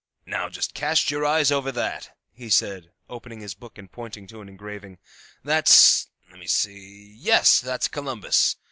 "Now, just cast your eyes over that," he said, opening his book and pointing to an engraving. "That's lemme see yes, that's Columbus.